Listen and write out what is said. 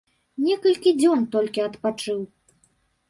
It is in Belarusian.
Некалькі дзён толькі адпачыў.